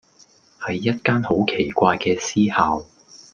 係一間好奇怪嘅私校⠀